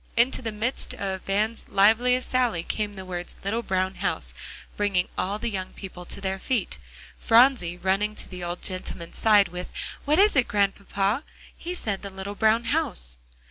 Into the midst of Van's liveliest sally, came the words "little brown house," bringing all the young people to their feet, Phronsie running to the old gentleman's side, with, "What is it, Grandpapa? He said the little brown house."